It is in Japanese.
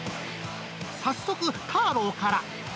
早速、ターローから。